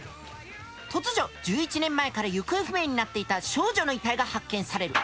突如１１年前から行方不明になっていた少女の遺体が発見される。